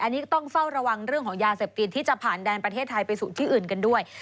อันนี้ก็ต้องเฝ้าระวังเรื่องของยาเสพติดที่จะผ่านแดนประเทศไทยไปสู่ที่อื่นกันด้วย